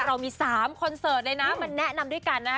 เรามี๓คอนเสิร์ตเลยนะมาแนะนำด้วยกันนะ